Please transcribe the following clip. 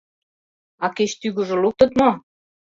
А кеч тӱгыжӧ луктыт мо?